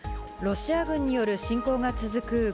ロシア軍による侵攻が続く